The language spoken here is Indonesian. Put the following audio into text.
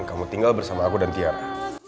kamu tinggal bersama aku dan tiara